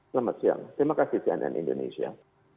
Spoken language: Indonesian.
selamat siang terima kasih cian dan indonesia